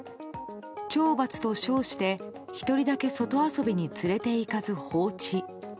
懲罰と称して１人だけ外遊びに連れていかず放置。